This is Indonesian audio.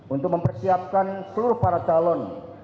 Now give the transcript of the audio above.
untuk mempersiapkan seluruh para calon